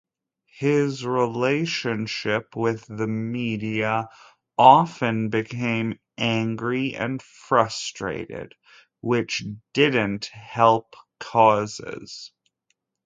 His relationship with the media often became angry and frustrated which didn't help causes.